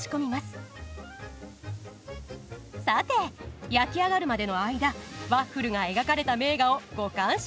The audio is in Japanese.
さて焼き上がるまでの間ワッフルが描かれた名画をご鑑賞ください。